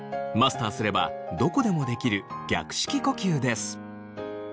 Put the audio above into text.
マスターすればどこでもできる逆式呼吸です。